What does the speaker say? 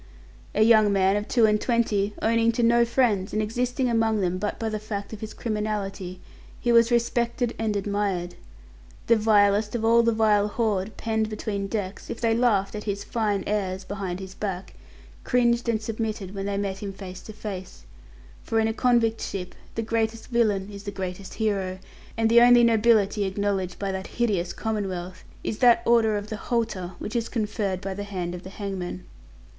A young man of two and twenty owning to no friends, and existing among them but by the fact of his criminality, he was respected and admired. The vilest of all the vile horde penned between decks, if they laughed at his "fine airs" behind his back, cringed and submitted when they met him face to face for in a convict ship the greatest villain is the greatest hero, and the only nobility acknowledged by that hideous commonwealth is that Order of the Halter which is conferred by the hand of the hangman.